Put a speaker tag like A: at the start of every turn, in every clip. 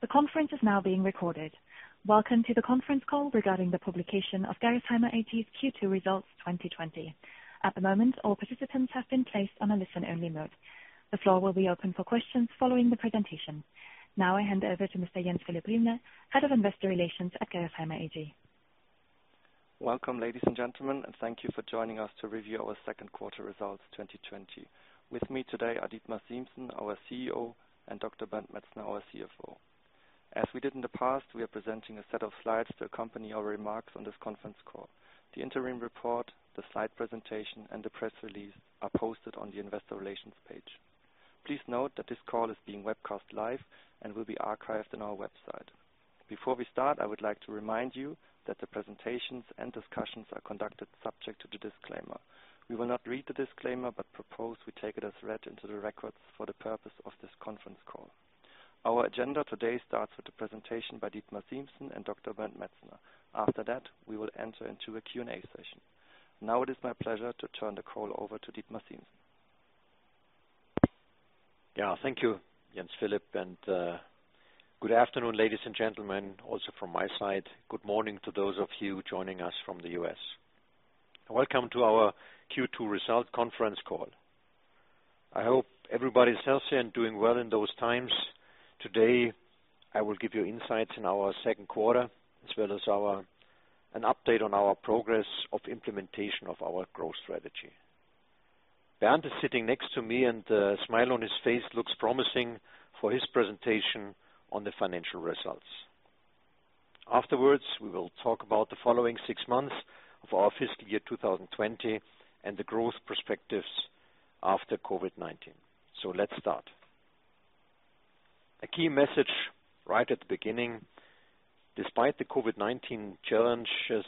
A: The conference is now being recorded. Welcome to the conference call regarding the publication of Gerresheimer AG's Q2 results 2020. At the moment, all participants have been placed on a listen-only mode. The floor will be open for questions following the presentation. Now I hand over to Mr. Jens-Philipp Briemle, Head of Investor Relations at Gerresheimer AG.
B: Welcome, ladies and gentlemen, and thank you for joining us to review our second quarter results 2020. With me today are Dietmar Siemssen, our CEO, and Dr. Bernd Metzner, our CFO. As we did in the past, we are presenting a set of slides to accompany our remarks on this conference call. The interim report, the slide presentation, and the press release are posted on the investor relations page. Please note that this call is being webcast live and will be archived on our website. Before we start, I would like to remind you that the presentations and discussions are conducted subject to the disclaimer. We will not read the disclaimer but propose we take it as read into the records for the purpose of this conference call. Our agenda today starts with the presentation by Dietmar Siemssen and Dr. Bernd Metzner. After that, we will enter into a Q&A session. Now it is my pleasure to turn the call over to Dietmar Siemssen.
C: Thank you, Jens-Philipp. Good afternoon, ladies and gentlemen, also from my side. Good morning to those of you joining us from the U.S. Welcome to our Q2 result conference call. I hope everybody is healthy and doing well in those times. Today, I will give you insights in our second quarter, as well as an update on our progress of implementation of our growth strategy. Bernd is sitting next to me, and the smile on his face looks promising for his presentation on the financial results. Afterwards, we will talk about the following six months of our fiscal year 2020 and the growth perspectives after COVID-19. Let's start. A key message right at the beginning. Despite the COVID-19 challenges,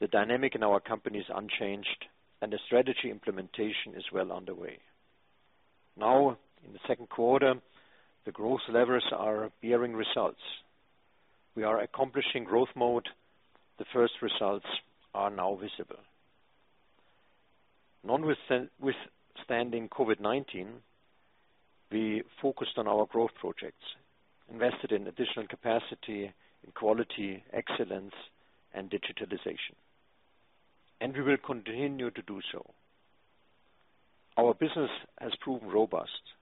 C: the dynamic in our company is unchanged, and the strategy implementation is well underway. Now, in the second quarter, the growth levers are bearing results. We are accomplishing growth mode. The first results are now visible. Notwithstanding COVID-19, we focused on our growth projects, invested in additional capacity, in quality, excellence, and digitalization, and we will continue to do so. Our business has proven robust.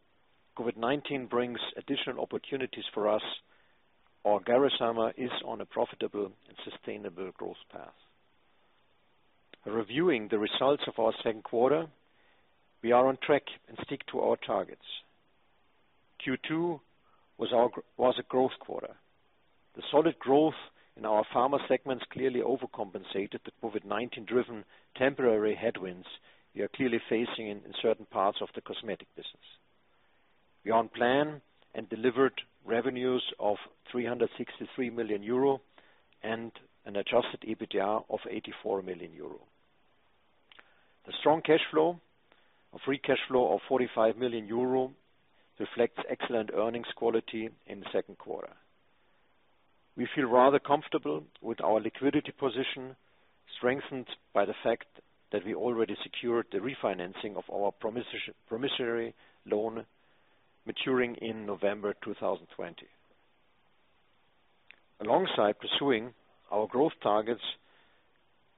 C: COVID-19 brings additional opportunities for us, our Gerresheimer is on a profitable and sustainable growth path. Reviewing the results of our second quarter, we are on track and stick to our targets. Q2 was a growth quarter. The solid growth in our pharma segments clearly overcompensated the COVID-19 driven temporary headwinds we are clearly facing in certain parts of the cosmetic business. We're on plan and delivered revenues of 363 million euro and an adjusted EBITDA of 84 million euro. The strong cash flow, a free cash flow of 45 million euro reflects excellent earnings quality in the second quarter. We feel rather comfortable with our liquidity position, strengthened by the fact that we already secured the refinancing of our promissory loan maturing in November 2020. Alongside pursuing our growth targets,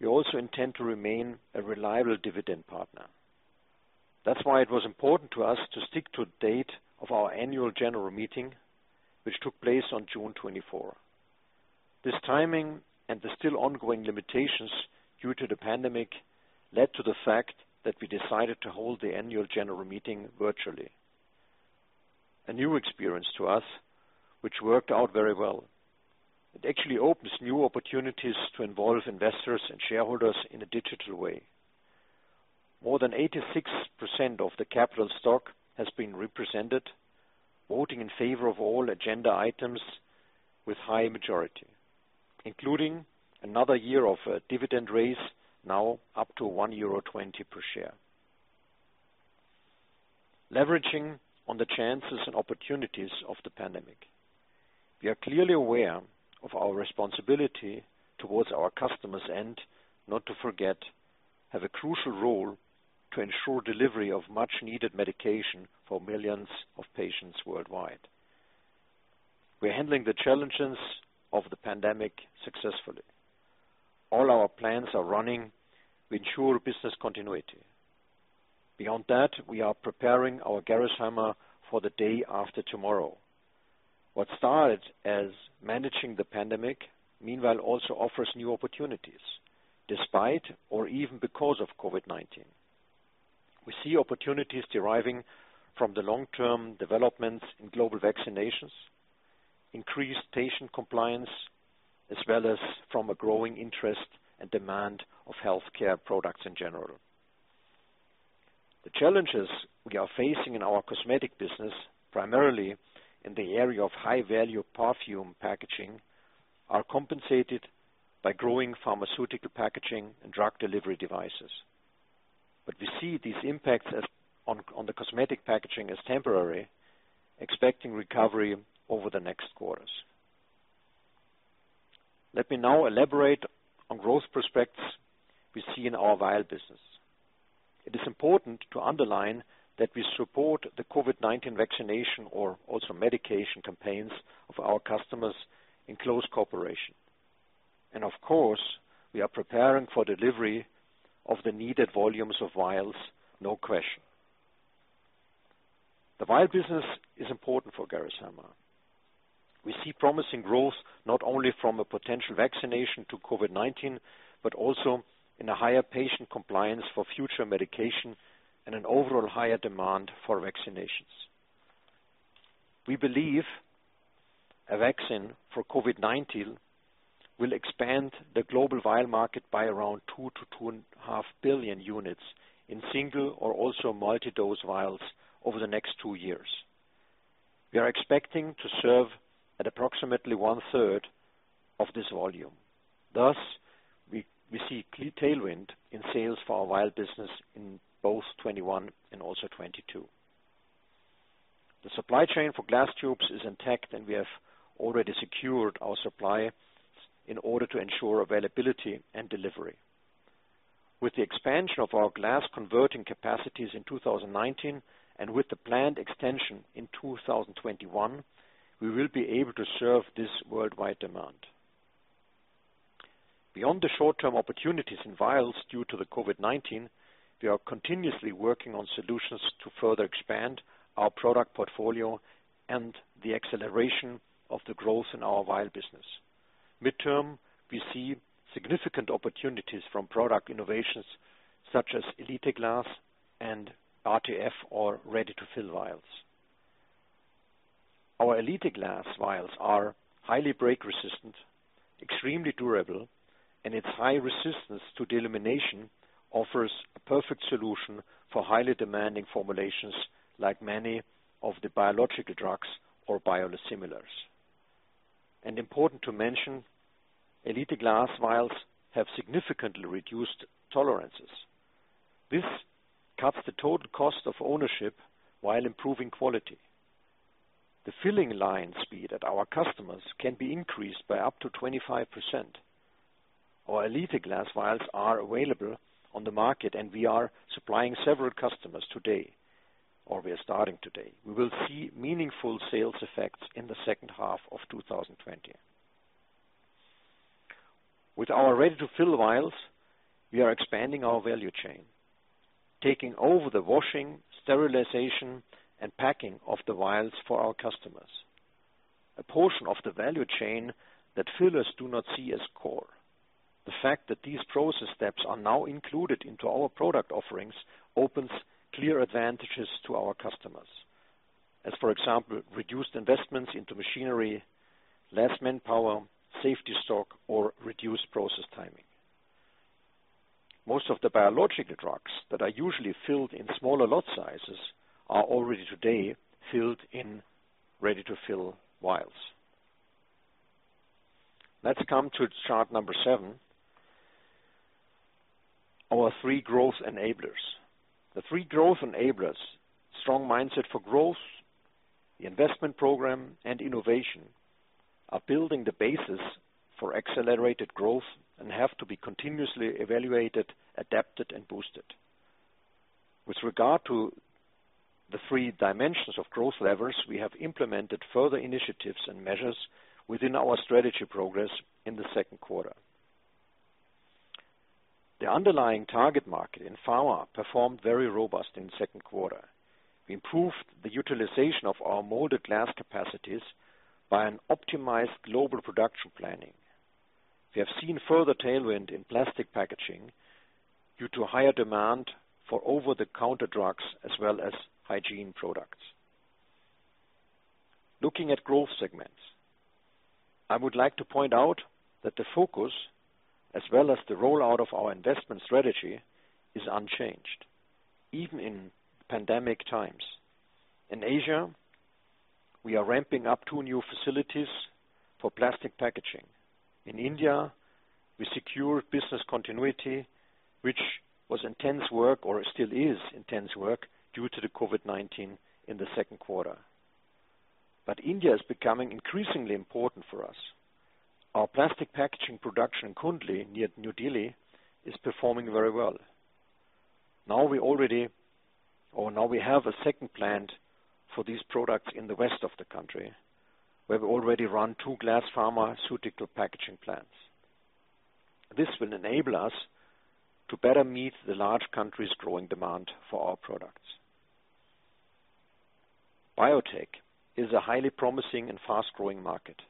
C: we also intend to remain a reliable dividend partner. That's why it was important to us to stick to date of our annual general meeting, which took place on June 24. This timing and the still ongoing limitations due to the pandemic led to the fact that we decided to hold the annual general meeting virtually. A new experience to us, which worked out very well. It actually opens new opportunities to involve investors and shareholders in a digital way. More than 86% of the capital stock has been represented, voting in favor of all agenda items with high majority, including another year of a dividend raise now up to 1.20 euro per share. Leveraging on the chances and opportunities of the pandemic. We are clearly aware of our responsibility towards our customers and, not to forget, have a crucial role to ensure delivery of much-needed medication for millions of patients worldwide. We're handling the challenges of the pandemic successfully. All our plans are running. We ensure business continuity. Beyond that, we are preparing our Gerresheimer for the day after tomorrow. What started as managing the pandemic, meanwhile, also offers new opportunities, despite or even because of COVID-19. We see opportunities deriving from the long-term development in global vaccinations, increased patient compliance, as well as from a growing interest and demand of healthcare products in general. The challenges we are facing in our cosmetic business, primarily in the area of high-value perfume packaging, are compensated by growing pharmaceutical packaging and drug delivery devices. We see these impacts on the cosmetic packaging as temporary, expecting recovery over the next quarters. Let me now elaborate on growth prospects we see in our vial business. It is important to underline that we support the COVID-19 vaccination or also medication campaigns of our customers in close cooperation. Of course, we are preparing for delivery of the needed volumes of vials, no question. The vial business is important for Gerresheimer. We see promising growth not only from a potential vaccination to COVID-19, but also in a higher patient compliance for future medication and an overall higher demand for vaccinations. We believe a vaccine for COVID-19 will expand the global vial market by around 2 billion-2.5 billion units in single or also multi-dose vials over the next two years. We are expecting to serve at approximately one-third of this volume. We see clear tailwind in sales for our vial business in both 2021 and also 2022. The supply chain for glass tubes is intact, and we have already secured our supply in order to ensure availability and delivery. With the expansion of our glass converting capacities in 2019 and with the planned extension in 2021, we will be able to serve this worldwide demand. Beyond the short-term opportunities in vials due to the COVID-19, we are continuously working on solutions to further expand our product portfolio and the acceleration of the growth in our vial business. Midterm, we see significant opportunities from product innovations such as Elite Glass and RTF or ready-to-fill vials. Our Elite Glass vials are highly break-resistant, extremely durable, and its high resistance to delamination offers a perfect solution for highly demanding formulations like many of the biological drugs or biosimilars. Important to mention, Elite glass vials have significantly reduced tolerances. This cuts the total cost of ownership while improving quality. The filling line speed at our customers can be increased by up to 25%. Our Elite glass vials are available on the market, and we are supplying several customers today, or we are starting today. We will see meaningful sales effects in the second half of 2020. With our ready-to-fill vials, we are expanding our value chain, taking over the washing, sterilization, and packing of the vials for our customers, a portion of the value chain that fillers do not see as core. The fact that these process steps are now included into our product offerings opens clear advantages to our customers. As, for example, reduced investments into machinery, less manpower, safety stock, or reduced process timing. Most of the biological drugs that are usually filled in smaller lot sizes are already today filled in ready-to-fill vials. Let's come to chart number seven, our three growth enablers. The three growth enablers, strong mindset for growth, the investment program, and innovation, are building the basis for accelerated growth and have to be continuously evaluated, adapted, and boosted. With regard to the three dimensions of growth levers, we have implemented further initiatives and measures within our strategy progress in the second quarter. The underlying target market in pharma performed very robust in the second quarter. We improved the utilization of our molded glass capacities by an optimized global production planning. We have seen further tailwind in plastic packaging due to higher demand for over-the-counter drugs as well as hygiene products. Looking at growth segments, I would like to point out that the focus as well as the rollout of our investment strategy is unchanged, even in pandemic times. In Asia, we are ramping up two new facilities for plastic packaging. In India, we secured business continuity, which was intense work, or still is intense work due to the COVID-19 in the second quarter. India is becoming increasingly important for us. Our plastic packaging production in Kundli, near New Delhi, is performing very well. Now we have a second plant for these products in the west of the country, where we already run two glass pharmaceutical packaging plants. This will enable us to better meet the large country's growing demand for our products. Biotech is a highly promising and fast-growing market.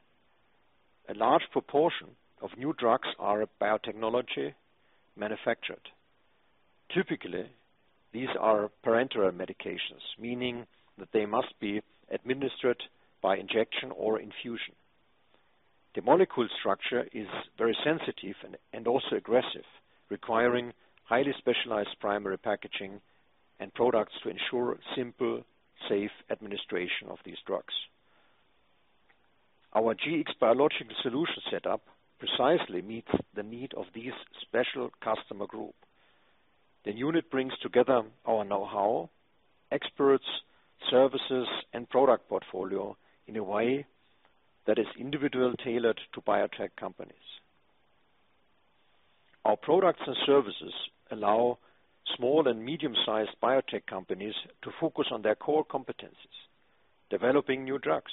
C: A large proportion of new drugs are biotechnology manufactured. Typically, these are parenteral medications, meaning that they must be administered by injection or infusion. The molecule structure is very sensitive and also aggressive, requiring highly specialized primary packaging and products to ensure simple, safe administration of these drugs. Our Gx Biological Solutions setup precisely meets the need of this special customer group. The unit brings together our know-how, experts, services, and product portfolio in a way that is individually tailored to biotech companies. Our products and services allow small and medium-sized biotech companies to focus on their core competencies, developing new drugs.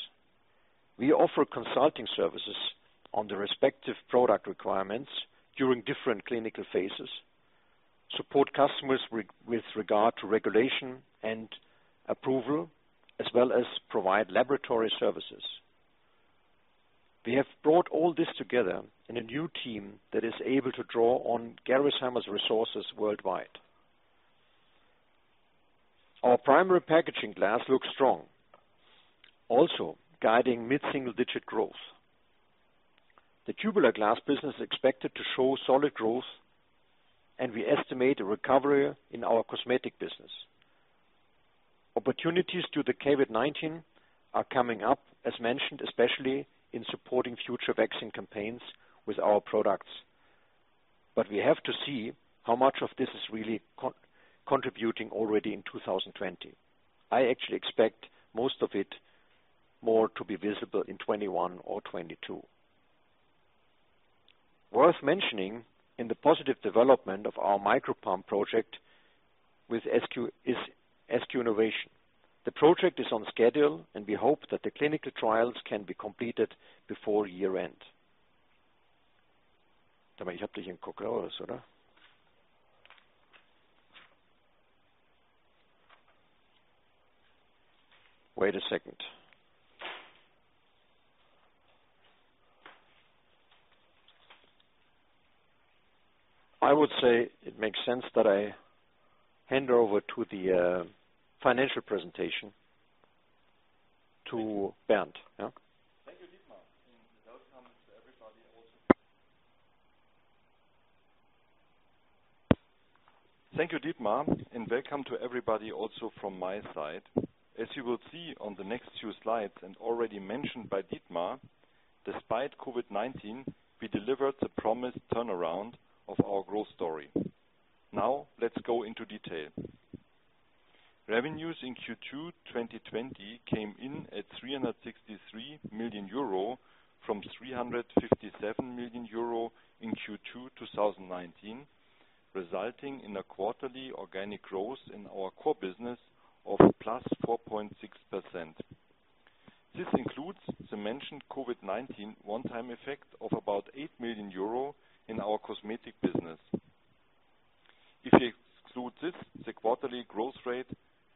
C: We offer consulting services on the respective product requirements during different clinical phases, support customers with regard to regulation and approval, as well as provide laboratory services. We have brought all this together in a new team that is able to draw on Gerresheimer's resources worldwide. Our Primary Packaging Glass looks strong, also guiding mid-single-digit growth. The tubular glass business is expected to show solid growth, and we estimate a recovery in our cosmetic business. Opportunities due to COVID-19 are coming up, as mentioned, especially in supporting future vaccine campaigns with our products. We have to see how much of this is really contributing already in 2020. I actually expect most of it more to be visible in 2021 or 2022. Worth mentioning in the positive development of our micropump project is SQ Innovation. The project is on schedule, and we hope that the clinical trials can be completed before year-end. Wait a second. I would say it makes sense that I hand over to the financial presentation to Bernd. Yeah?
D: Thank you, Dietmar, and welcome to everybody also. Thank you, Dietmar, welcome to everybody also from my side. As you will see on the next few slides and already mentioned by Dietmar, despite COVID-19, we delivered the promised turnaround of our growth story. Let's go into detail. Revenues in Q2 2020 came in at 363 million euro from 357 million euro in Q2 2019, resulting in a quarterly organic growth in our core business of plus 4.6%. This includes the mentioned COVID-19 one-time effect of about eight million euro in our cosmetic business. If you exclude this, the quarterly growth rate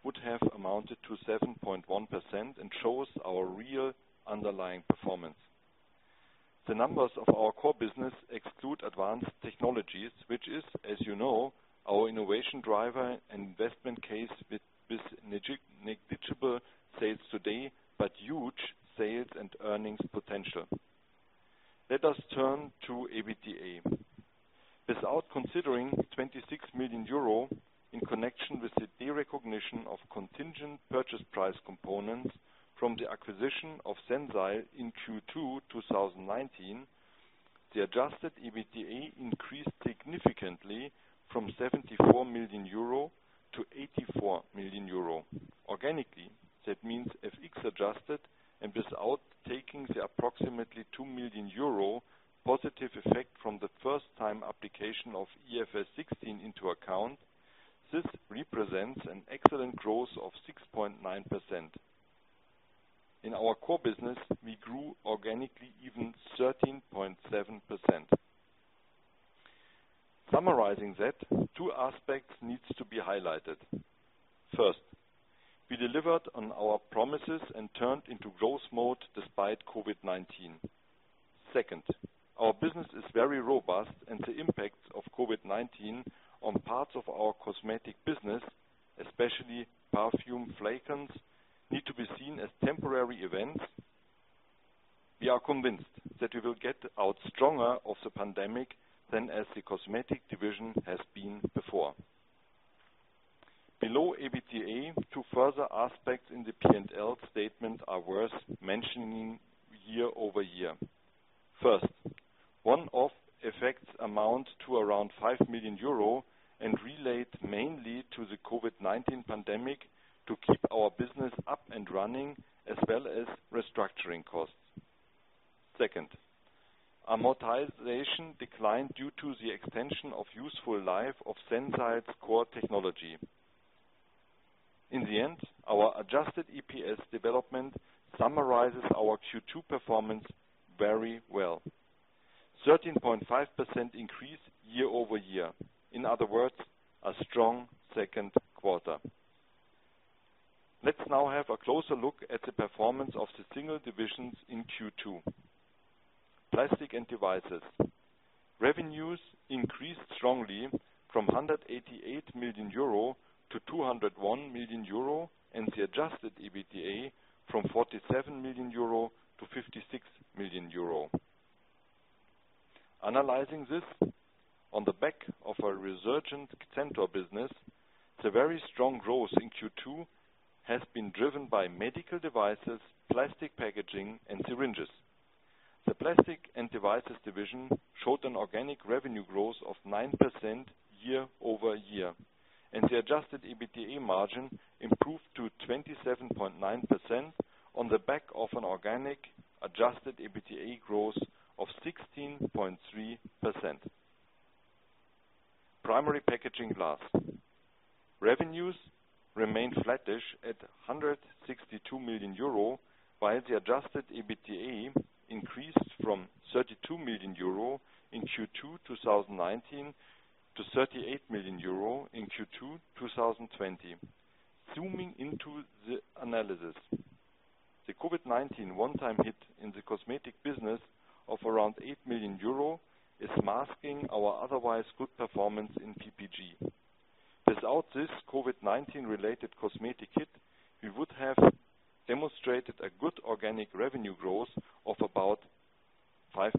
D: would have amounted to 7.1% and shows our real underlying performance. The numbers of our core business exclude Advanced Technologies, which is, as you know, our innovation driver and investment case with negligible sales today, but huge sales and earnings potential. other words, a strong second quarter. Let's now have a closer look at the performance of the single divisions in Q2. Plastics & Devices. Revenues increased strongly from 188 million euro to 201 million euro, and the adjusted EBITDA from 47 million euro to 56 million euro. Analyzing this on the back of a resurgent Centor business, the very strong growth in Q2 has been driven by medical devices, plastic packaging, and syringes. The Plastics & Devices division showed an organic revenue growth of 9% year-over-year, and the adjusted EBITDA margin improved to 27.9% on the back of an organic adjusted EBITDA growth of 16.3%. Primary Packaging Glass. Revenues remained flattish at 162 million euro, while the adjusted EBITDA increased from 32 million euro in Q2 2019 to 38 million euro in Q2 2020. Zooming into the analysis. The COVID-19 one-time hit in the cosmetic business of around 8 million euro is masking our otherwise good performance in PPG. Without this COVID-19 related cosmetic hit, we would have demonstrated a good organic revenue growth of about 5%.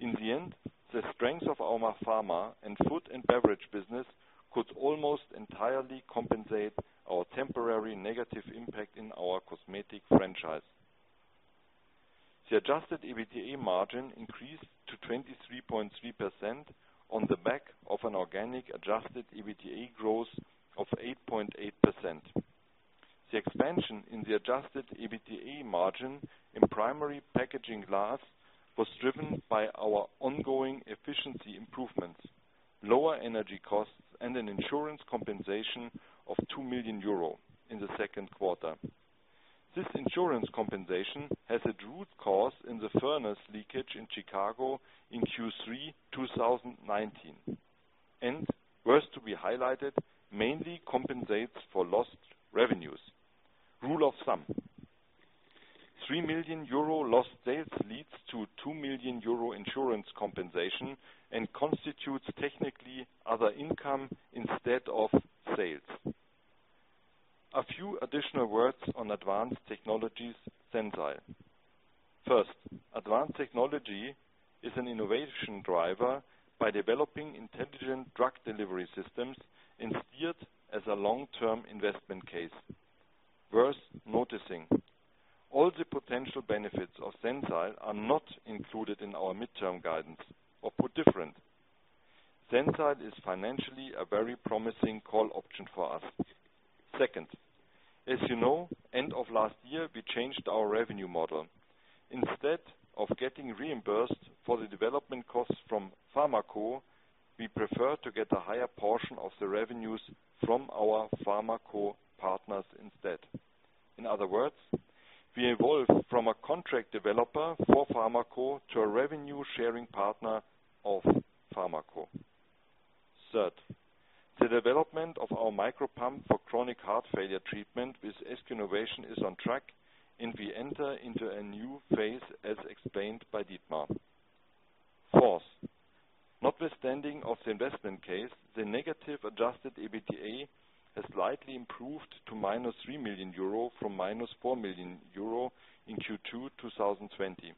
D: In the end, the strength of our pharma and food and beverage business could almost entirely compensate our temporary negative impact in our cosmetic franchise. The adjusted EBITDA margin increased to 23.3% on the back of an organic adjusted EBITDA growth of 8.8%. The expansion in the adjusted EBITDA margin in Primary Packaging Glass was driven by our ongoing efficiency improvements, lower energy costs, and an insurance compensation of 2 million euro in the second quarter. This insurance compensation has its root cause in the furnace leakage in Chicago in Q3 2019, and worth to be highlighted, mainly compensates for lost revenues. Rule of thumb. 3 million euro lost sales leads to 2 million euro insurance compensation and constitutes technically other income instead of sales. A few additional words on Advanced Technologies Sensile. First, Advanced Technologies is an innovation driver by developing intelligent drug delivery systems and steered as a long-term investment case. Worth noticing, all the potential benefits of Sensile are not included in our midterm guidance, or put different. Sensile is financially a very promising call option for us. Second, as you know, end of last year, we changed our revenue model. Instead of getting reimbursed for the development costs from pharma co, we prefer to get a higher portion of the revenues from our pharma co partners instead. In other words, we evolve from a contract developer for pharma co to a revenue-sharing partner of pharma co. Third, the development of our micropump for chronic heart failure treatment with SQ Innovation is on track, and we enter into a new phase, as explained by Dietmar. Fourth, notwithstanding of the investment case, the negative adjusted EBITDA has slightly improved to minus 3 million euro from minus 4 million euro in Q2 2020.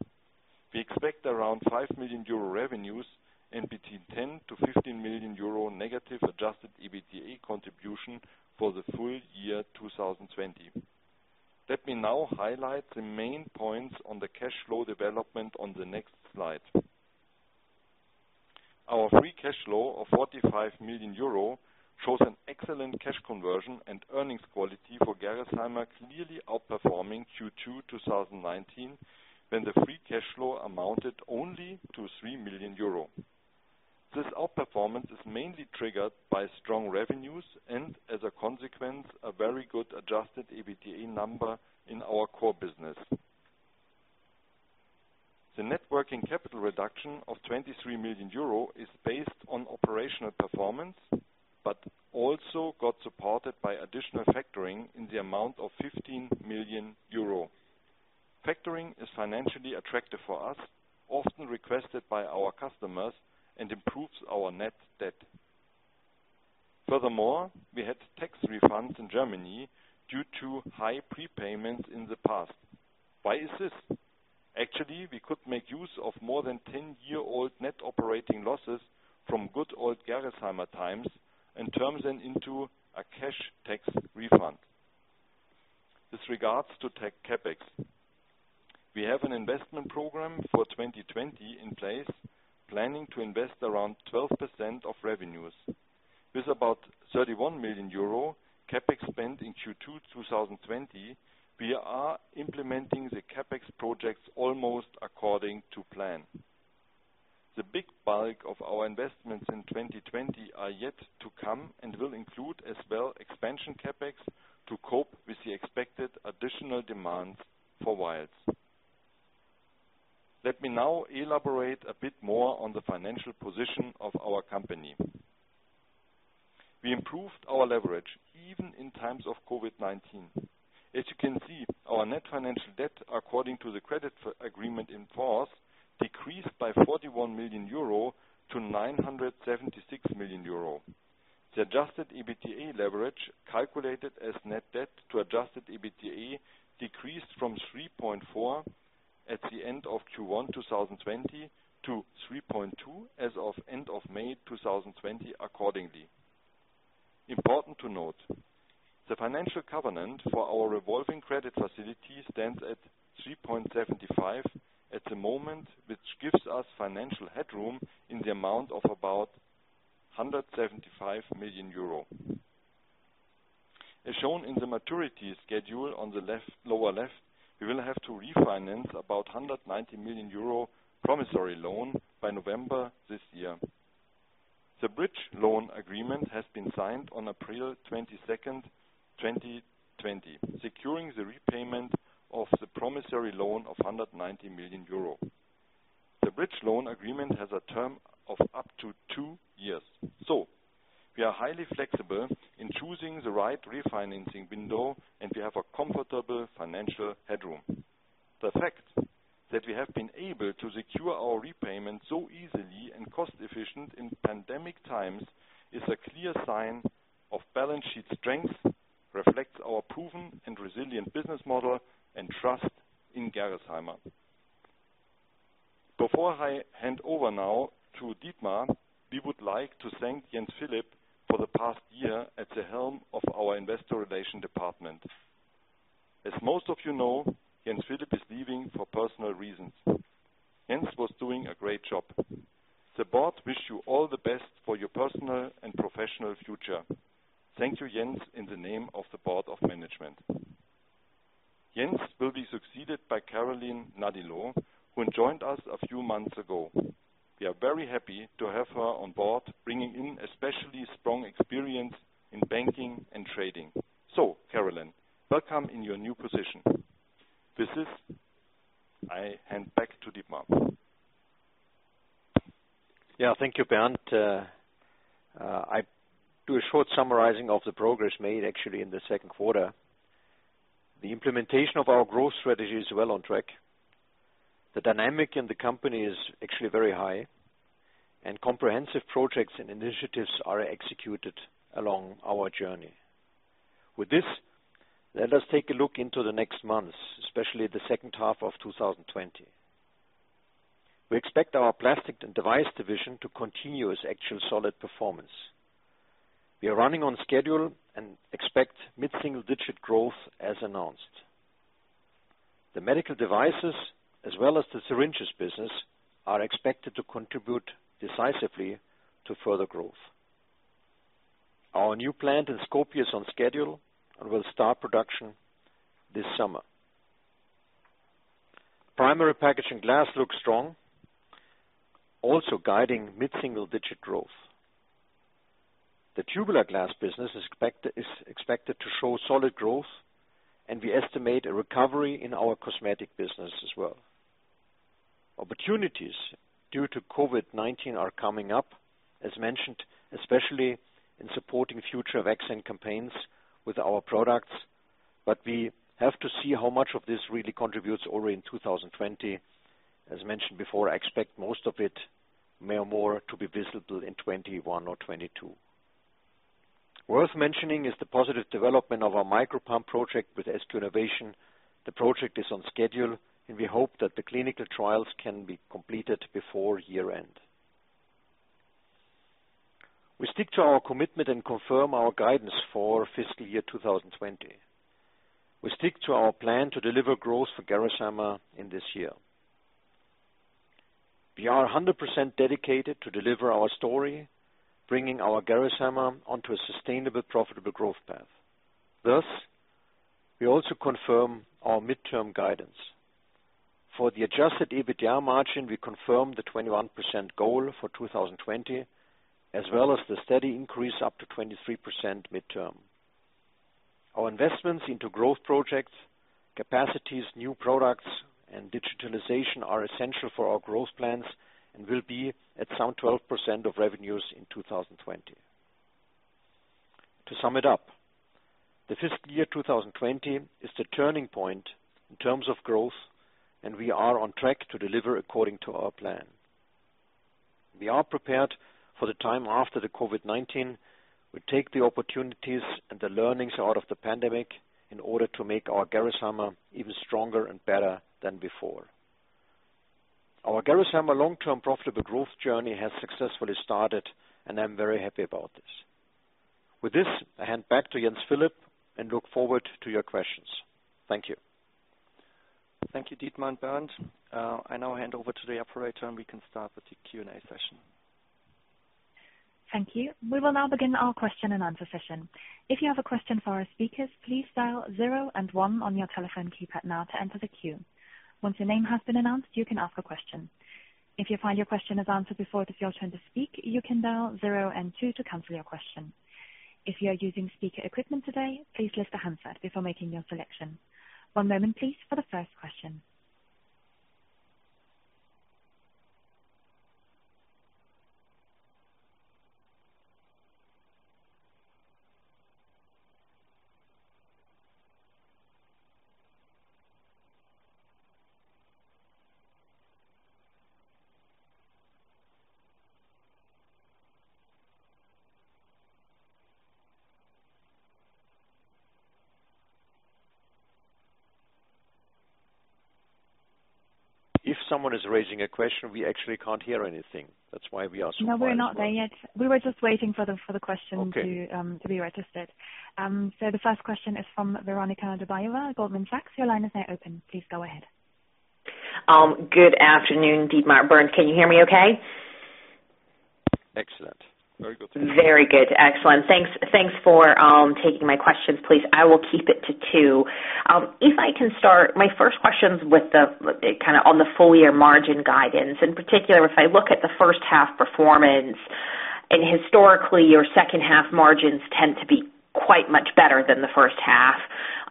D: We expect around 5 million euro revenues and between 10 million-15 million euro negative adjusted EBITDA contribution for the full year 2020. Let me now highlight the main points on the cash flow development on the next slide. Our free cash flow of 45 million euro shows an excellent cash conversion and earnings quality for Gerresheimer, clearly outperforming Q2 2019, when the free cash flow amounted only to 3 million euro. This outperformance is mainly triggered by strong revenues and, as a consequence, a very good adjusted EBITDA number in our core business. The net working capital reduction of 23 million euro is based on operational performance, but also got supported by additional factoring in the amount of 15 million euro. Factoring is financially attractive for us, often requested by our customers, and improves our net debt. Furthermore, we had tax refunds in Germany due to high prepayments in the past. Why is this? Actually, we could make use of more than 10-year-old net operating losses from good old Gerresheimer times and turn them into a cash tax refund. With regards to CapEx, we have an investment program for 2020 in place, planning to invest around 12% of revenues. With about 31 million euro CapEx spend in Q2 2020, we are implementing the CapEx projects almost according to plan. The big bulk of our investments in 2020 are yet to come and will include as well expansion CapEx to cope with the expected additional demands for vials. Let me now elaborate a bit more on the financial position of our company. We improved our leverage even in times of COVID-19. As you can see, our net financial debt, according to the credit agreement in force, decreased by 41 million euro to 976 million euro. The adjusted EBITDA leverage, calculated as net debt to adjusted EBITDA, decreased from 3.4 at the end of Q1 2020 to 3.2 as of end of May 2020 accordingly. Important to note, the financial covenant for our revolving credit facility stands at 3.75 at the moment, which gives us financial headroom in the amount of about 175 million euro. As shown in the maturity schedule on the lower left, we will have to refinance about 190 million euro promissory loan by November this year. The bridge loan agreement has been signed on April 22nd, 2020, securing the repayment of the promissory loan of 190 million euro. The bridge loan agreement has a term of up to two years. We are highly flexible in choosing the right refinancing window, and we have a comfortable financial headroom. The fact that we have been able to secure our repayment so easily and cost-efficient in pandemic times is a clear sign of balance sheet strength, reflects our proven and resilient business model, and trust in Gerresheimer. Before I hand over now to Dietmar, we would like to thank Jens-Philipp for the past year at the helm of our investor relations department. As most of you know, Jens-Philipp is leaving for personal reasons. Jens was doing a great job. The Board wish you all the best for your personal and professional future. Thank you, Jens, in the name of the Board of Management. Jens will be succeeded by Carolin Nadilo, who joined us a few months ago. We are very happy to have her on board, bringing in especially strong experience in banking and trading. Carolin, welcome in your new position. With this, I hand back to Dietmar.
C: Yeah. Thank you, Bernd. I do a short summarizing of the progress made actually in the second quarter. The implementation of our growth strategy is well on track. The dynamic in the company is actually very high, and comprehensive projects and initiatives are executed along our journey. With this, let us take a look into the next months, especially the second half of 2020. We expect our Plastics & Devices division to continue its actual solid performance. We are running on schedule and expect mid-single-digit growth as announced. The medical devices as well as the syringes business are expected to contribute decisively to further growth. Our new plant in Skopje is on schedule and will start production this summer. Primary Packaging Glass looks strong, also guiding mid-single-digit growth. The tubular glass business is expected to show solid growth, and we estimate a recovery in our cosmetic business as well. Opportunities due to COVID-19 are coming up, as mentioned, especially in supporting future vaccine campaigns with our products, but we have to see how much of this really contributes already in 2020. As mentioned before, I expect most of it more to be visible in 2021 or 2022. Worth mentioning is the positive development of our micropump project with SQ Innovation. The project is on schedule, and we hope that the clinical trials can be completed before year-end. We stick to our commitment and confirm our guidance for fiscal year 2020. We stick to our plan to deliver growth for Gerresheimer in this year. We are 100% dedicated to deliver our story, bringing our Gerresheimer onto a sustainable, profitable growth path. Thus, we also confirm our midterm guidance. For the adjusted EBITDA margin, we confirm the 21% goal for 2020, as well as the steady increase up to 23% midterm. Our investments into growth projects, capacities, new products, and digitalization are essential for our growth plans and will be at some 12% of revenues in 2020. To sum it up, the fiscal year 2020 is the turning point in terms of growth, and we are on track to deliver according to our plan. We are prepared for the time after the COVID-19. We take the opportunities and the learnings out of the pandemic in order to make our Gerresheimer even stronger and better than before. Our Gerresheimer long-term profitable growth journey has successfully started, and I'm very happy about this. With this, I hand back to Jens-Philipp and look forward to your questions. Thank you.
B: Thank you, Dietmar and Bernd. I now hand over to the operator, and we can start with the Q&A session.
A: Thank you. We will now begin our question and answer session. If you have a question for our speakers, please dial zero and one on your telephone keypad now to enter the queue. Once your name has been announced, you can ask a question. If you find your question is answered before it is your turn to speak, you can dial zero and two to cancel your question. If you are using speaker equipment today, please lift the handset before making your selection. One moment please for the first question.
C: Someone is raising a question. We actually can't hear anything. That's why we are surprised.
A: No, we're not there yet. We were just waiting for the question.
C: Okay
A: to be registered. The first question is from Veronika Dubajova, Goldman Sachs. Your line is now open. Please go ahead.
E: Good afternoon, Dietmar, Bernd. Can you hear me okay?
C: Excellent. Very good.
E: Very good. Excellent. Thanks for taking my questions. Please, I will keep it to two. My first question's on the full-year margin guidance. In particular, if I look at the first half performance, historically, your second half margins tend to be quite much better than the first half.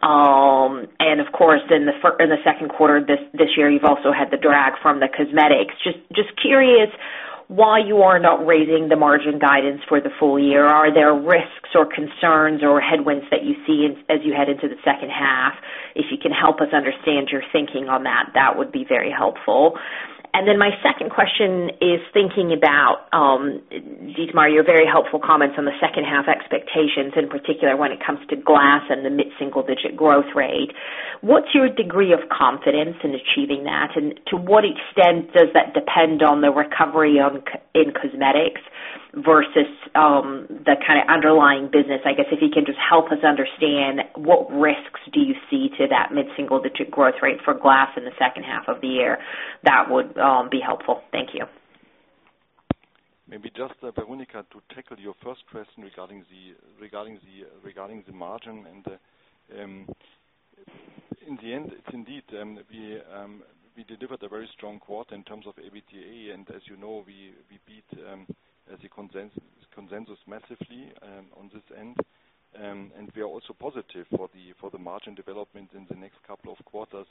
E: Of course, in the second quarter this year, you've also had the drag from the cosmetics. Just curious why you are not raising the margin guidance for the full year. Are there risks or concerns or headwinds that you see as you head into the second half? If you can help us understand your thinking on that would be very helpful. My second question is thinking about, Dietmar, your very helpful comments on the second half expectations, in particular when it comes to glass and the mid-single-digit growth rate. What's your degree of confidence in achieving that, and to what extent does that depend on the recovery in cosmetics versus the underlying business? I guess if you can just help us understand what risks do you see to that mid-single-digit growth rate for glass in the second half of the year, that would be helpful. Thank you.
D: Maybe just, Veronika, to tackle your first question regarding the margin. In the end, it's indeed, we delivered a very strong quarter in terms of EBITDA, and as you know, we beat the consensus massively on this end. We are also positive for the margin development in the next couple of quarters.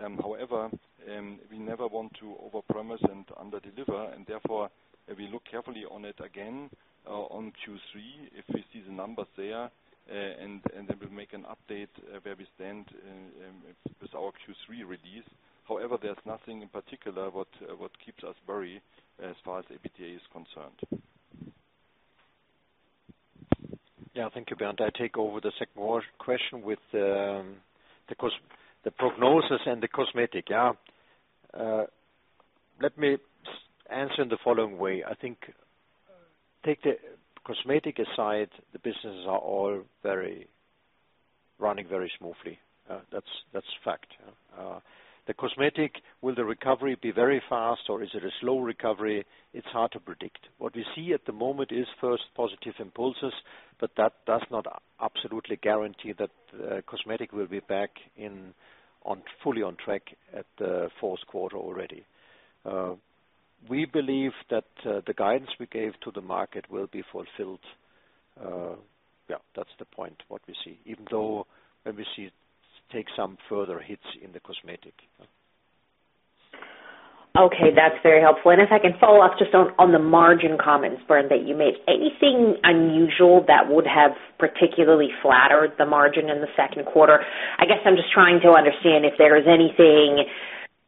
D: We never want to overpromise and underdeliver, and therefore, we look carefully on it again on Q3. If we see the numbers there, and then we'll make an update where we stand with our Q3 release. There's nothing in particular what keeps us worried as far as EBITDA is concerned.
C: Yeah, thank you, Bernd. I take over the second question with the prognosis and the cosmetic. Let me answer in the following way. I think, take the cosmetic aside, the businesses are all running very smoothly. That's fact. The cosmetic, will the recovery be very fast, or is it a slow recovery? It's hard to predict. What we see at the moment is first positive impulses, but that does not absolutely guarantee that cosmetic will be back fully on track at the fourth quarter already. We believe that the guidance we gave to the market will be fulfilled. Yeah, that's the point, what we see, even though we see it take some further hits in the cosmetic.
E: Okay, that's very helpful. If I can follow up just on the margin comments, Bernd, that you made. Anything unusual that would have particularly flattered the margin in the second quarter? I guess I'm just trying to understand if there's anything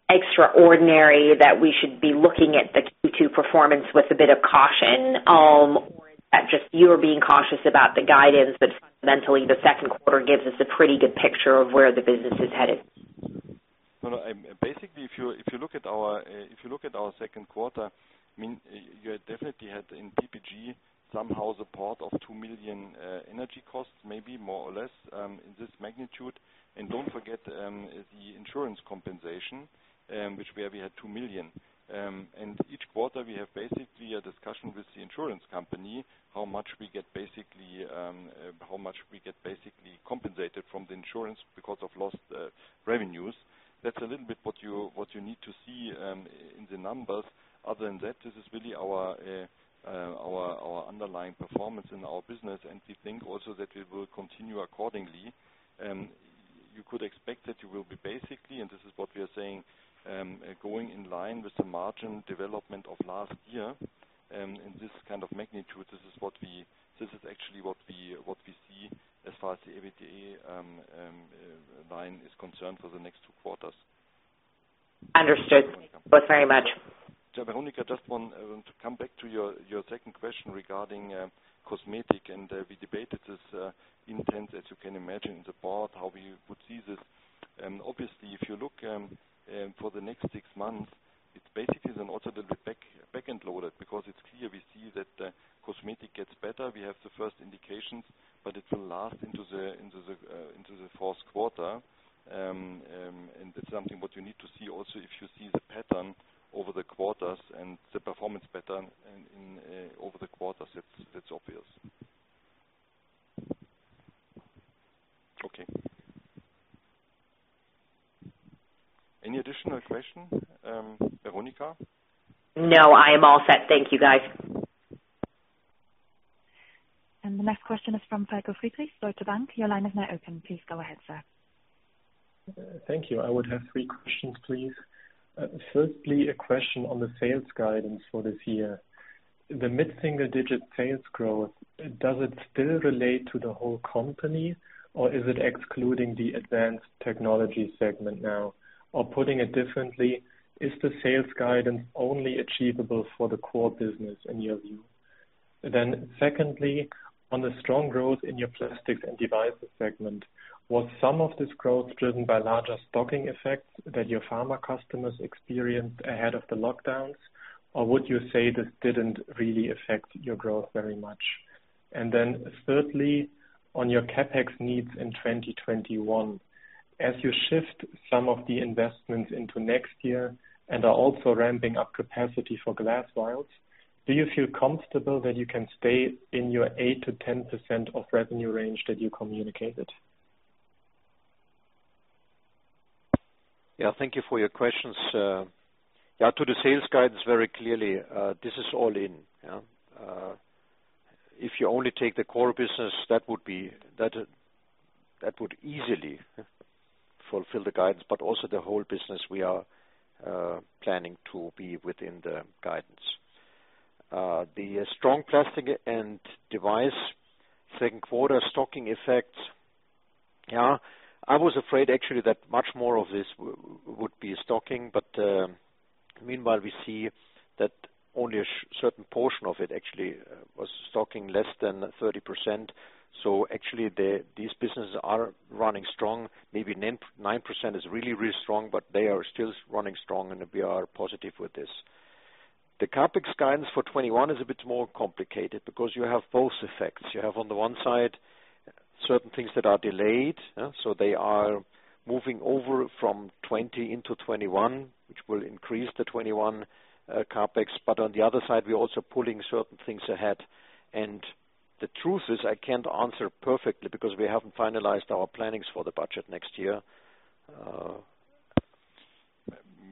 E: extraordinary that we should be looking at the Q2 performance with a bit of caution. Is that just you're being cautious about the guidance, but fundamentally, the second quarter gives us a pretty good picture of where the business is headed?
D: If you look at our second quarter, you definitely had in PPG, somehow [the port] of 2 million energy costs, maybe more or less, in this magnitude. Don't forget, the insurance compensation, which we have had 2 million. Each quarter, we have basically a discussion with the insurance company, how much we get basically compensated from the insurance because of lost revenues. That's a little bit what you need to see in the numbers. Other than that, this is really our underlying performance in our business, and we think also that we will continue accordingly. You could expect that you will be basically, and this is what we are saying, going in line with the margin development of last year. In this kind of magnitude, this is actually what we see as far as the EBITDA line is concerned for the next two quarters.
E: Understood. Thanks very much.
D: Yeah, Veronika, just want to come back to your second question regarding cosmetic. We debated this intense, as you can imagine, in the board, how we would see this. Obviously, if you look for the next six months, it's basically then also going to be back end loaded because it's clear we see that the cosmetic gets better. We have the first indications. It will last into the fourth quarter. That's something what you need to see also, if you see the pattern over the quarters and the performance pattern over the quarters, that's obvious. Okay. Any additional question, Veronika?
E: No, I am all set. Thank you, guys.
A: The next question is from Falko Friedrichs, Deutsche Bank. Your line is now open. Please go ahead, sir.
F: Thank you. I would have 3 questions, please. A question on the sales guidance for this year. The mid-single-digit sales growth, does it still relate to the whole company, or is it excluding the Advanced Technology segment now? Putting it differently, is the sales guidance only achievable for the core business in your view? Secondly, on the strong growth in your Plastics & Devices segment, was some of this growth driven by larger stocking effects that your pharma customers experienced ahead of the lockdowns? Would you say this didn't really affect your growth very much? Thirdly, on your CapEx needs in 2021, as you shift some of the investments into next year and are also ramping up capacity for glass vials, do you feel comfortable that you can stay in your 8%-10% of revenue range that you communicated?
C: Thank you for your questions. To the sales guidance, very clearly, this is all in. If you only take the core business, that would easily fulfill the guidance, but also the whole business we are planning to be within the guidance. The strong plastic and device second quarter stocking effects. I was afraid actually that much more of this would be stocking, but meanwhile, we see that only a certain portion of it actually was stocking, less than 30%. Actually these businesses are running strong. Maybe 9% is really strong, but they are still running strong and we are positive with this. The CapEx guidance for 2021 is a bit more complicated because you have both effects. You have on the one side certain things that are delayed, so they are moving over from 2020 into 2021, which will increase the 2021 CapEx, but on the other side, we're also pulling certain things ahead. The truth is, I can't answer perfectly because we haven't finalized our plannings for the budget next year.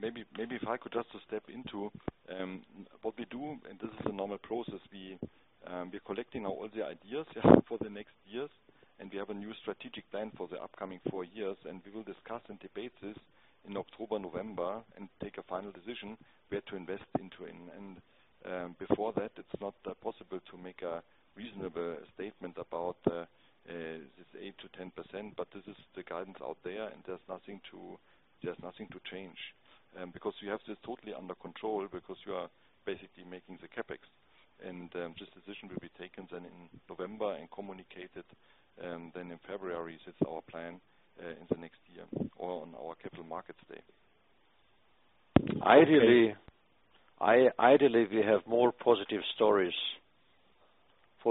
D: Maybe if I could just step into what we do, and this is a normal process. We're collecting now all the ideas for the next years, and we have a new strategic plan for the upcoming four years, and we will discuss and debate this in October, November and take a final decision where to invest into. Before that, it's not possible to make a reasonable statement about this 8%-10%, but this is the guidance out there and there's nothing to change. We have this totally under control, because you are basically making the CapEx. This decision will be taken then in November and communicated then in February, is our plan in the next year or on our capital markets day.
C: Ideally, we have more positive stories for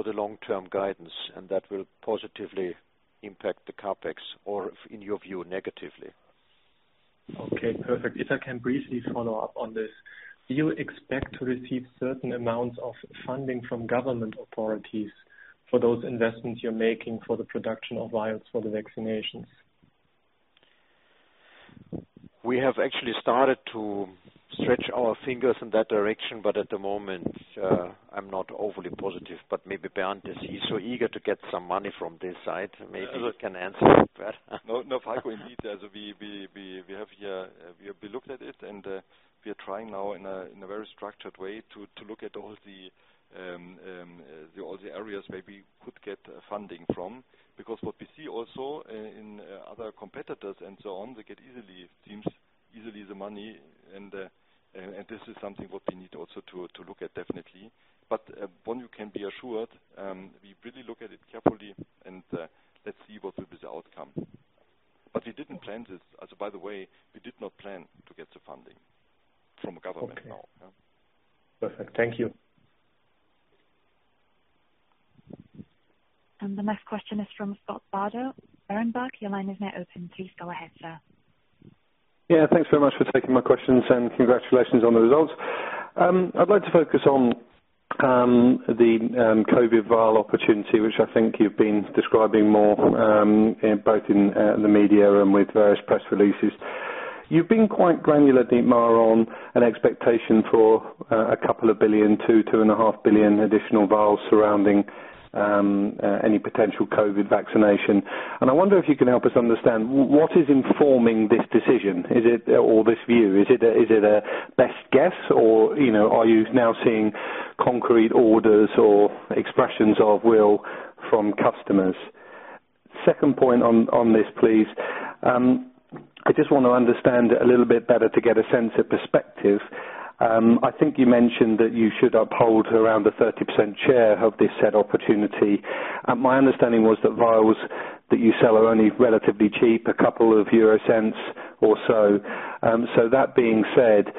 C: the long-term guidance, and that will positively impact the CapEx or, in your view, negatively?
F: Okay, perfect. If I can briefly follow up on this, do you expect to receive certain amounts of funding from government authorities for those investments you're making for the production of vials for the vaccinations?
C: We have actually started to stretch our fingers in that direction, but at the moment, I'm not overly positive. Maybe Bernd is. He's so eager to get some money from this side, maybe he can answer that.
D: No, Falko, indeed. We looked at it, and we are trying now in a very structured way to look at all the areas where we could get funding from. What we see also in other competitors and so on, they get easily the money. This is something what we need also to look at definitely. One, you can be assured, we really look at it carefully and let's see what will be the outcome. We didn't plan this. By the way, we did not plan to get the funding from government now.
F: Okay. Perfect. Thank you.
A: The next question is from Scott Bardo. Bardo, your line is now open. Please go ahead, sir.
G: Yeah, thanks very much for taking my questions and congratulations on the results. I'd like to focus on the COVID vial opportunity, which I think you've been describing more, both in the media and with various press releases. You've been quite granular, Dietmar, on an expectation for a couple of billion to 2.5 billion additional vials surrounding any potential COVID vaccination. I wonder if you can help us understand what is informing this decision or this view. Is it a best guess or are you now seeing concrete orders or expressions of will from customers? Second point on this, please. I just want to understand a little bit better to get a sense of perspective. I think you mentioned that you should uphold around a 30% share of this said opportunity. My understanding was that vials that you sell are only relatively cheap, a couple of euro cents or so. That being said,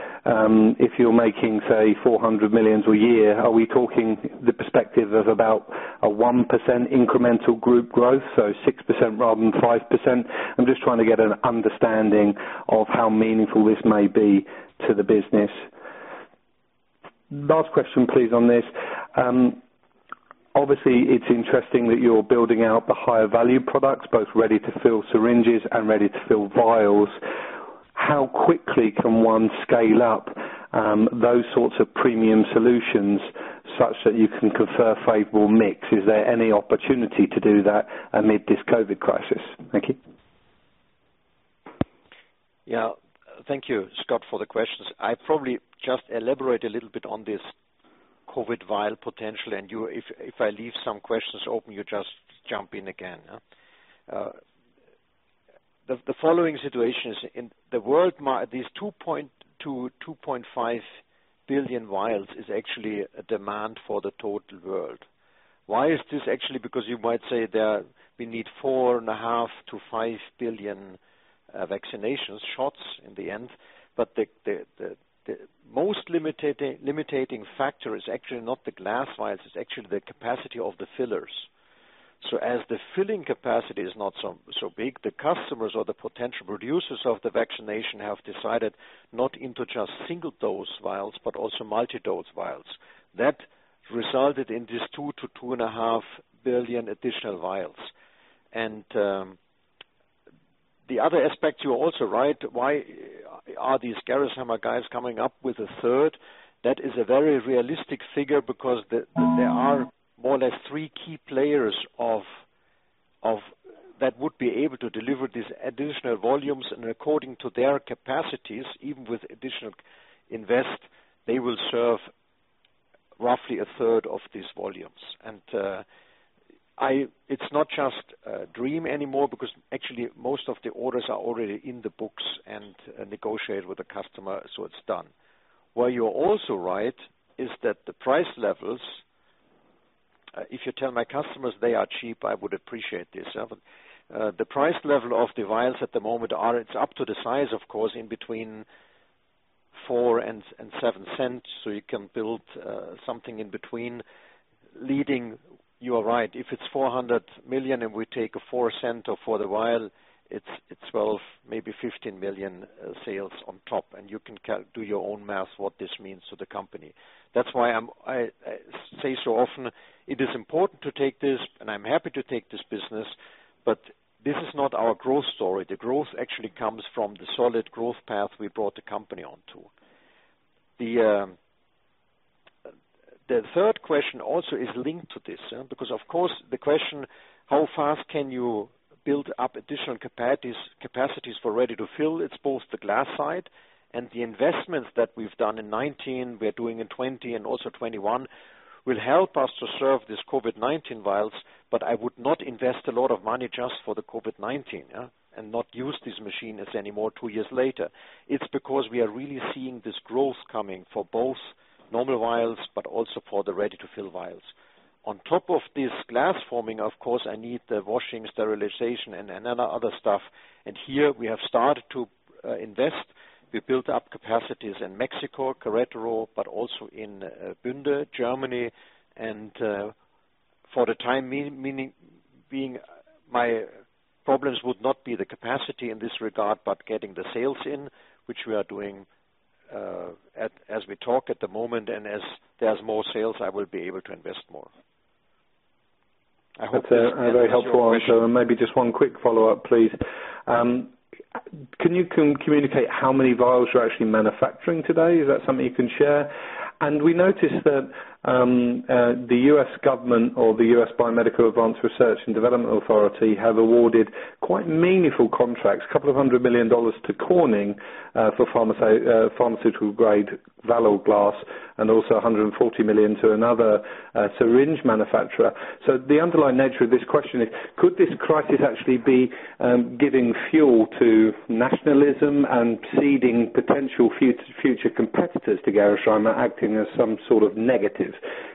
G: if you're making, say, 400 million a year, are we talking the perspective of about a 1% incremental group growth, so 6% rather than 5%? I'm just trying to get an understanding of how meaningful this may be to the business. Last question please on this. Obviously, it's interesting that you're building out the higher value products, both ready-to-fill syringes and ready-to-fill vials. How quickly can one scale up those sorts of premium solutions such that you can confer favorable mix? Is there any opportunity to do that amid this COVID crisis? Thank you.
C: Yeah. Thank you, Scott, for the questions. I probably just elaborate a little bit on this COVID vial potential, and if I leave some questions open, you just jump in again. The following situation is in the world market, these 2 billion-2.5 billion vials is actually a demand for the total world. Why is this actually because you might say that we need 4.5 billion-5 billion vaccination shots in the end, but the most limiting factor is actually not the glass vials, it's actually the capacity of the fillers. As the filling capacity is not so big, the customers or the potential producers of the vaccination have decided not into just single-dose vials, but also multi-dose vials. That resulted in these 2 billion-2.5 billion additional vials. The other aspect, you're also right, why are these Gerresheimer guys coming up with a third? That is a very realistic figure because there are more or less three key players that would be able to deliver these additional volumes and according to their capacities, even with additional invest, they will serve roughly a third of these volumes. It's not just a dream anymore because actually most of the orders are already in the books and negotiated with the customer, so it's done. You're also right is that the price levels, if you tell my customers they are cheap, I would appreciate this. The price level of the vials at the moment are, it's up to the size, of course, in between 0.04 and 0.07. You can build something in between. Leading, you are right. If it's 400 million and we take 0.04 for the vial, it's 12 million, maybe 15 million sales on top. You can do your own math what this means to the company. That's why I say so often, it is important to take this, and I'm happy to take this business, but this is not our growth story. The growth actually comes from the solid growth path we brought the company onto. The third question also is linked to this. Of course, the question, how fast can you build up additional capacities for ready-to-fill? It's both the glass side and the investments that we've done in 2019, we're doing in 2020 and also 2021 will help us to serve these COVID-19 vials, but I would not invest a lot of money just for the COVID-19 and not use these machines anymore two years later. It's because we are really seeing this growth coming for both normal vials, but also for the ready-to-fill vials. On top of this glass forming, of course, I need the washing, sterilization, and other stuff. Here we have started to invest. We built up capacities in Mexico, Querétaro, but also in Bünde, Germany. For the time being, my problems would not be the capacity in this regard, but getting the sales in, which we are doing as we talk at the moment. As there's more sales, I will be able to invest more.
G: That's very helpful, answer. Maybe just one quick follow-up, please. Can you communicate how many vials you're actually manufacturing today? Is that something you can share? We noticed that the U.S. government or the U.S. Biomedical Advanced Research and Development Authority have awarded quite meaningful contracts, a couple of hundred million dollars to Corning for pharmaceutical-grade Valor Glass, and also $140 million to another syringe manufacturer. The underlying nature of this question is, could this crisis actually be giving fuel to nationalism and seeding potential future competitors to Gerresheimer acting as some sort of negative?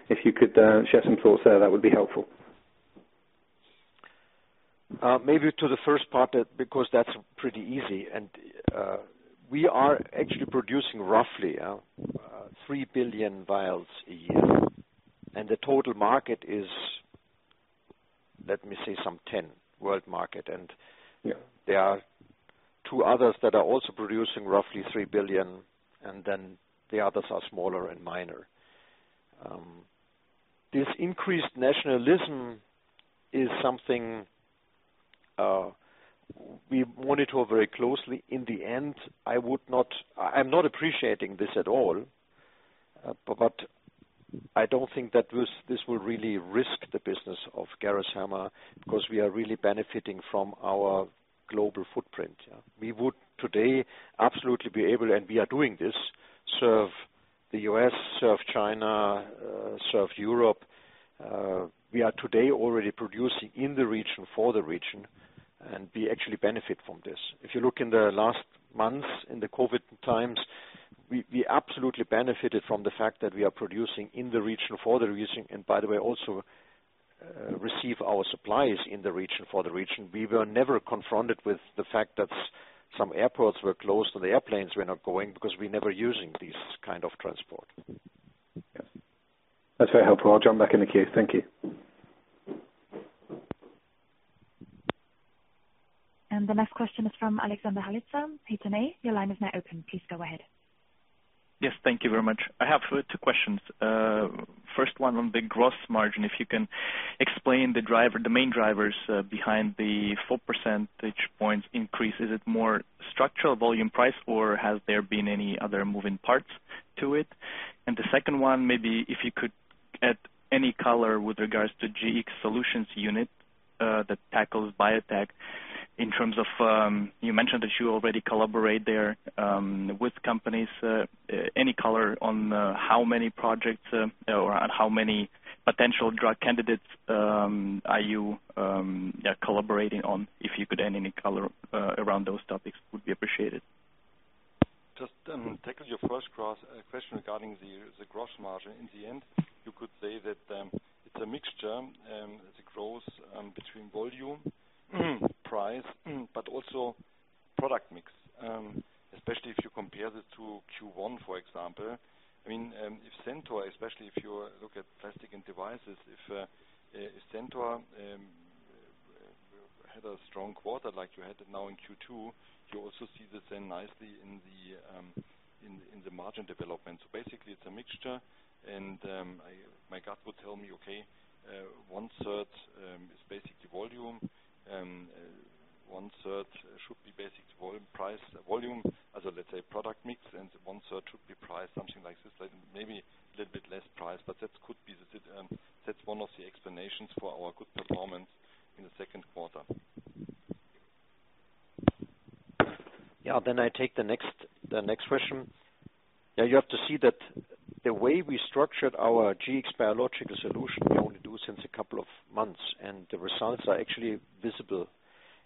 G: If you could share some thoughts there, that would be helpful.
C: Maybe to the first part, because that's pretty easy. We are actually producing roughly 3 billion vials a year. The total market is, let me say, some 10 world market.
G: Yeah.
C: There are two others that are also producing roughly 3 billion, and then the others are smaller and minor. This increased nationalism is something we monitor very closely. In the end, I'm not appreciating this at all. I don't think that this will really risk the business of Gerresheimer because we are really benefiting from our global footprint. We would today absolutely be able, and we are doing this, serve the U.S., serve China, serve Europe. We are today already producing in the region for the region, and we actually benefit from this. If you look in the last months in the COVID times, we absolutely benefited from the fact that we are producing in the region for the region, and by the way, also receive our supplies in the region for the region. We were never confronted with the fact that some airports were closed or the airplanes were not going because we're never using this kind of transport.
G: That's very helpful. I'll jump back in the queue. Thank you.
A: The next question is from [Alexander Galitsa], [H&A]. Your line is now open. Please go ahead.
H: Yes, thank you very much. I have two questions. First one on the gross margin, if you can explain the main drivers behind the four percentage points increase. Is it more structural volume price, or has there been any other moving parts to it? The second one, maybe if you could add any color with regards to Gx Solutions unit that tackles biotech in terms of, you mentioned that you already collaborate there with companies. Any color on how many projects or how many potential drug candidates are you collaborating on? If you could add any color around those topics, would be appreciated.
D: Just to tackle your first question regarding the gross margin. In the end, you could say that it's a mixture, it's a growth between volume, price, but also product mix, especially if you compare it to Q1, for example. If Centor, especially if you look at Plastics & Devices, if Centor had a strong quarter like you had now in Q2, you also see the same nicely in the margin development. Basically, it's a mixture, and my gut would tell me, okay one-third is basically volume, one-third should be basically product mix, and one-third should be price, something like this. Maybe a little bit less price, That's one of the explanations for our good performance in the second quarter.
C: Yeah. I take the next question. Yeah, you have to see that the way we structured our Gx Biological Solutions, we only do since a couple of months, and the results are actually visible.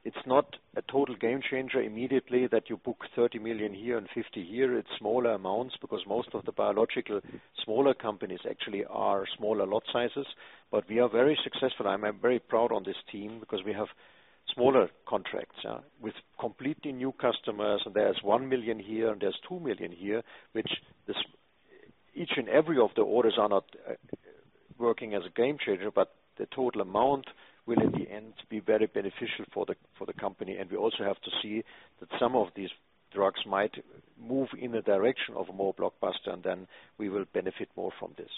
C: It's not a total game changer immediately that you book 30 million here and 50 here. It's smaller amounts because most of the biological smaller companies actually are smaller lot sizes. We are very successful. I'm very proud on this team because we have smaller contracts with completely new customers, and there's 1 million here, and there's 2 million here, which each and every of the orders are not working as a game changer, but the total amount will in the end be very beneficial for the company. We also have to see that some of these drugs might move in the direction of more blockbuster, and then we will benefit more from this.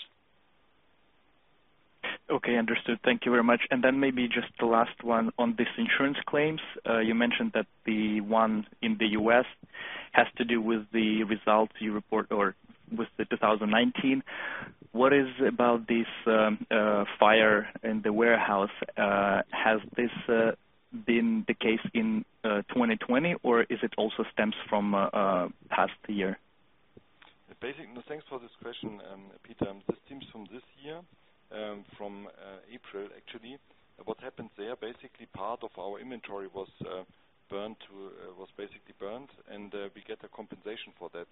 H: Okay, understood. Thank you very much. Then maybe just the last one on this insurance claims. You mentioned that the one in the U.S. has to do with the results you report or with the 2019. What is about this fire in the warehouse? Has this been the case in 2020, or is it also stems from past the year?
D: Thanks for this question, Peter. This stems from this year, from April actually. What happened there, basically part of our inventory was basically burnt, and we get a compensation for that.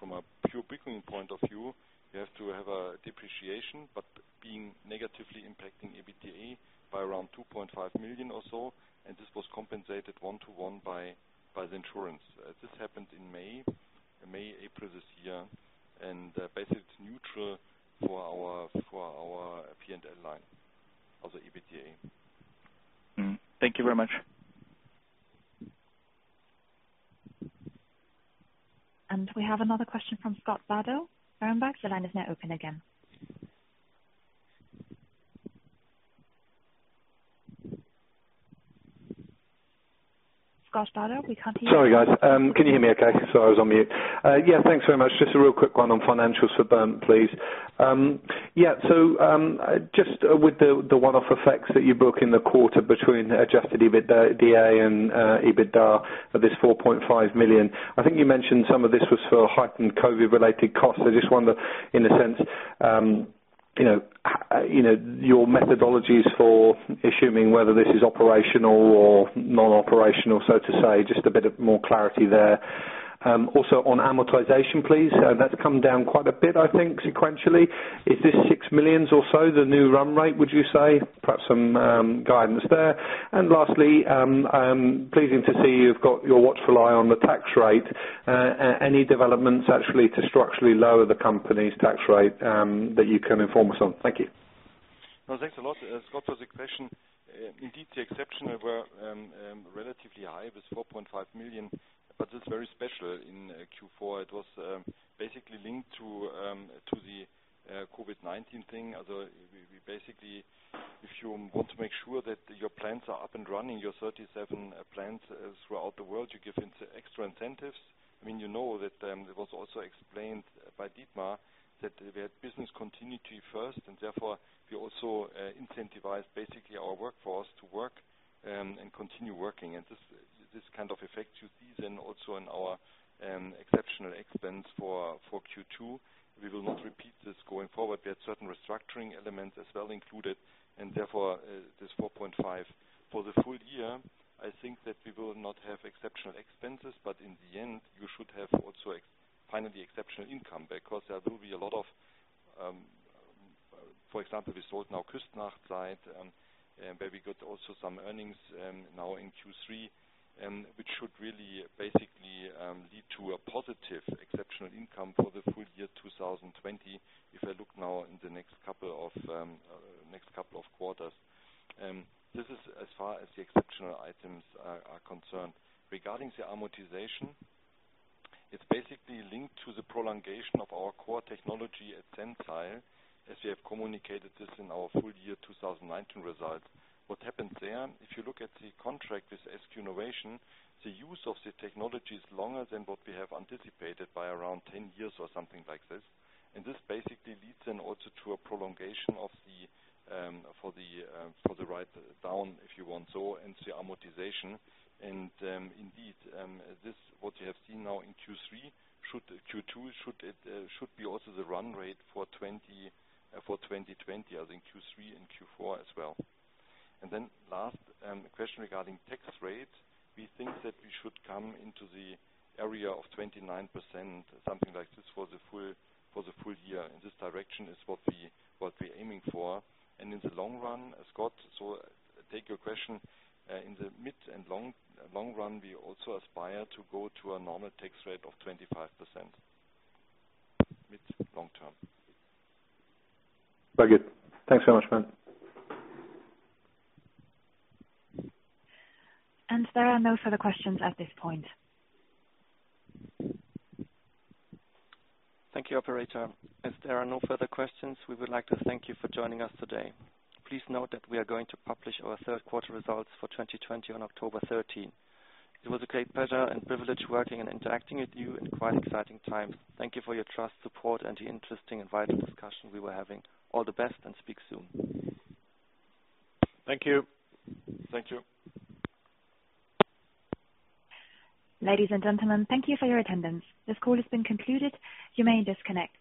D: From a pure billing point of view, we have to have a depreciation, but being negatively impacting EBITDA by around 2.5 million or so, and this was compensated one-to-one by the insurance. This happened in May, April this year, and basically it's neutral for our P&L line of the EBITDA.
H: Thank you very much.
A: We have another question from Scott Bardo. Berenberg, the line is now open again. Scott Bardo, we can't hear you.
G: Sorry, guys. Can you hear me okay? Sorry, I was on mute. Yeah, thanks very much. A real quick one on financials for Bernd, please. With the one-off effects that you book in the quarter between adjusted EBIT and EBITDA of this 4.5 million, I think you mentioned some of this was for heightened COVID-related costs. I wonder in a sense, your methodologies for assuming whether this is operational or non-operational, so to say, just a bit of more clarity there. On amortization, please. That's come down quite a bit, I think, sequentially. Is this 6 million or so the new run rate, would you say? Perhaps some guidance there. Lastly, pleasing to see you've got your watchful eye on the tax rate. Any developments actually to structurally lower the company's tax rate that you can inform us on? Thank you.
D: Thanks a lot, Scott, for the question. Indeed, the exception were relatively high. It was 4.5 million. It's very special. In Q4, it was basically linked to the COVID-19 thing, although we basically, if you want to make sure that your plants are up and running, your 37 plants throughout the world, you give extra incentives. You know that it was also explained by Dietmar that we had business continuity first. Therefore, we also incentivize basically our workforce to work and continue working. This kind of effect you see then also in our exceptional expense for Q2. We will not repeat this going forward. We had certain restructuring elements as well included. Therefore, this 4.5. For the full year, I think that we will not have exceptional expenses. In the end, you should have also finally exceptional income. For example, we sold now Küssnacht site, where we got also some earnings now in Q3, which should really basically lead to a positive exceptional income for the full year 2020. If I look now in the next couple of quarters. This is as far as the exceptional items are concerned. Regarding the amortization, it is basically linked to the prolongation of our core technology at Sensile, as we have communicated this in our full year 2019 results. What happened there, if you look at the contract with SQ Innovation, the use of the technology is longer than what we have anticipated by around 10 years or something like this. This basically leads then also to a prolongation for the write down, if you want so, and the amortization. Indeed, this what you have seen now in Q2 should be also the run rate for 2020, I think Q3 and Q4 as well. Then last question regarding tax rate. We think that we should come into the area of 29%, something like this for the full year, and this direction is what we're aiming for. In the long run, Scott, so take your question. In the mid and long run, we also aspire to go to a normal tax rate of 25%. Mid, long term.
G: Very good. Thanks very much, man.
A: There are no further questions at this point.
B: Thank you, operator. As there are no further questions, we would like to thank you for joining us today. Please note that we are going to publish our third quarter results for 2020 on October 13. It was a great pleasure and privilege working and interacting with you in quite exciting times. Thank you for your trust, support, and the interesting and vital discussion we were having. All the best and speak soon.
D: Thank you.
C: Thank you.
A: Ladies and gentlemen, thank you for your attendance. This call has been concluded. You may disconnect.